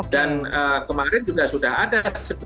dan kemarin juga sudah ada sebetulnya gate nya di krl